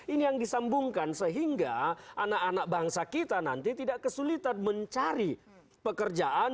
ini yang disambungkan sehingga anak anak bangsa kita nanti tidak kesulitan mencari pekerjaan